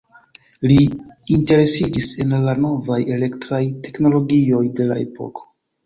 Li interesiĝis en la novaj elektraj teknologioj de la epoko.